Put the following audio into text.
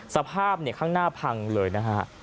สภาพข้างหน้าพังเลยนะฮะ